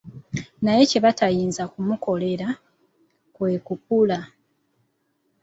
Naye kye batayinza kumukolera, kwe kukula.